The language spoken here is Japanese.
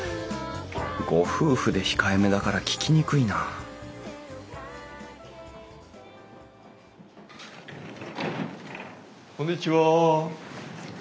ご夫婦で控えめだから聞きにくいなこんにちは。